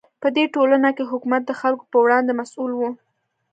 په دې ټولنه کې حکومت د خلکو په وړاندې مسوول و.